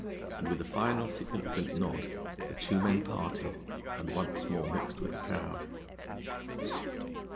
And with a final significant nod the two men parted and once more mixed with the crowd.